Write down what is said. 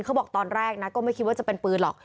เขาบอกตอนแรกนะก็ไม่คิดว่าจะเป็นปืนหรอก